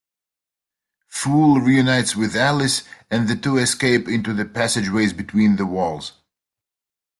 Fool reunites with Alice and the two escape into the passageways between the walls.